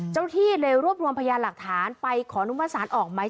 เจ้าหน้าที่เลยรวบรวมพยานหลักฐานไปขอนุมสารออกไหม